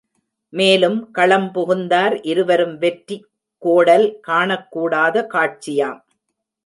மேலும் களம் புகுந்தார் இருவரும் வெற்றி கோடல் காணக்கூடாத காட்சியாம்.